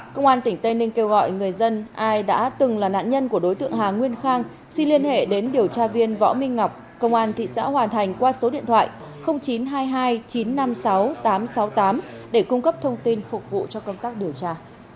công an tỉnh tây ninh kêu gọi người dân ai đã từng là nạn nhân của đối tượng hà nguyên khang xin liên hệ đến điều tra viên võ minh ngọc công an thị xã hoàn thành qua số điện thoại chín trăm hai mươi hai chín trăm năm mươi sáu tám trăm sáu mươi tám để cung cấp thông tin phục vụ cho công tác điều tra